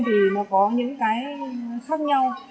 thì nó có những cái khác nhau